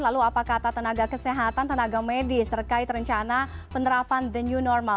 lalu apa kata tenaga kesehatan tenaga medis terkait rencana penerapan the new normal